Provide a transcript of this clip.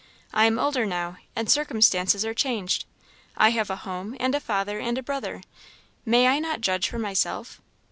I am older now, and circumstances are changed; I have a home, and a father, and a brother; may I not judge for myself?